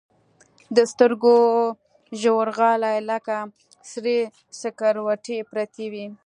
د سترګو ژورغالي لكه سرې سكروټې پرتې وي.